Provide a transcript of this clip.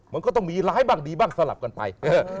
มันก็ต้องมีร้ายบ้างดีบ้างสลับกันไป